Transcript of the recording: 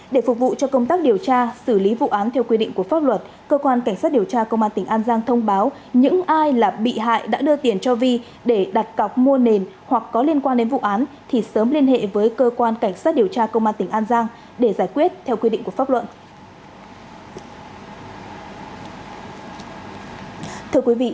để phục vụ cho công tác điều tra xử lý vụ án theo quy định của pháp luật cơ quan cảnh sát điều tra công an tỉnh an giang thông báo những ai là bị hại đã đưa tiền cho vi để đặt cọc mua nền hoặc có liên quan đến vụ án thì sớm liên hệ với cơ quan cảnh sát điều tra công an tỉnh an giang để giải quyết theo quy định của pháp luật